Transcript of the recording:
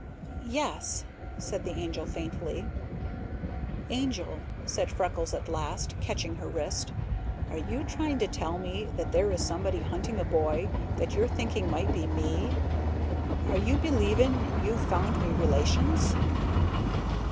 "Yes," said the Angel faintly. "Angel," said Freckles at last, catching her wrist, "are you trying to tell me that there is somebody hunting a boy that you're thinking might be me? Are you belavin' you've found me relations?"